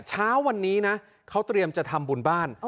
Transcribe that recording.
เช้าวันนี้นะเขาเตรียมจะทำบุญบ้าน